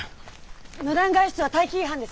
無断外出は隊規違反です。